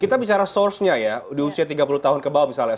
kita bicara source nya ya di usia tiga puluh tahun ke bawah misalnya